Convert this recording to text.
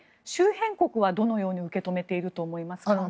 周辺国はどのように受け止めていると思いますか？